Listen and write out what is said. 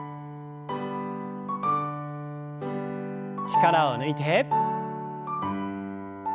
力を抜いて。